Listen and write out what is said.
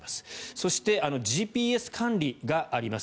そして、ＧＰＳ管理があります。